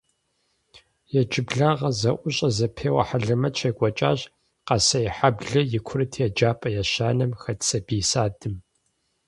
Иджыблагъэ зэIущIэ-зэпеуэ хьэлэмэт щекIуэкIащ Къэсейхьэблэ и курыт еджапIэ ещанэм хэт сабий садым.